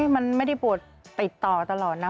มันไม่ได้ปวดติดต่อตลอดนะ